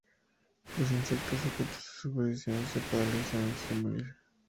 Los insectos sujetos a su exposición se paralizan antes de morir.